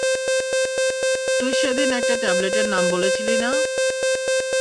তুই সেদিন একটা ট্যাবলেটের নাম বলেছিলি না?